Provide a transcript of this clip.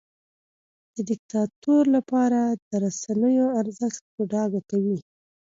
د دیکتاتور لپاره د رسنیو ارزښت په ډاګه کوي.